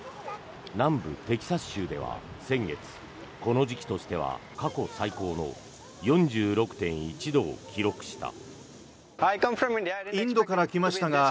南部テキサス州では先月この時期としては過去最高の４６．１度を記録した。